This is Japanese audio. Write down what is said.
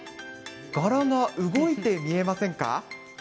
柄が動いて見えませんか？